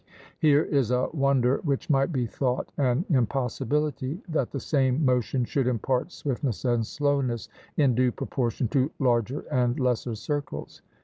Here is a wonder which might be thought an impossibility, that the same motion should impart swiftness and slowness in due proportion to larger and lesser circles.